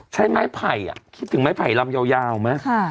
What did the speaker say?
ใช้ไม้ไผ่คิดถึงไม้ไผ่ลำยาวไหม